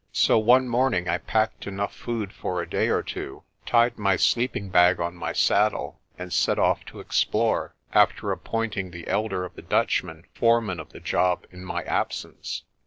So one morning I packed enough food for a day or two, tied my sleeping bag on my saddle, and set off to explore, after appointing the elder of the Dutchmen foreman of the job in my absence.